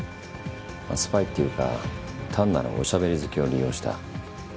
まあスパイっていうか単なるおしゃべり好きを利用した。